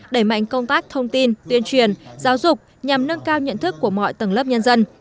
đẩy mạnh công tác thông tin tuyên truyền giáo dục nhằm nâng cao nhận thức của mọi tầng lớp nhân dân